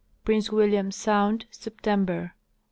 Prince William sound, September.